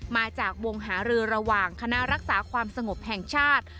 มาจากวงหารือระหว่างคณะรักษาความสงบแห่งชาติ